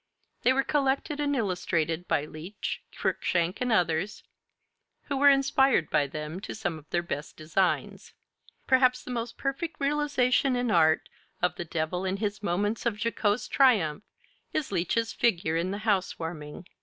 They were collected and illustrated by Leech, Cruikshank, and others, who were inspired by them to some of their best designs: perhaps the most perfect realization in art of the Devil in his moments of jocose triumph is Leech's figure in 'The House Warming.'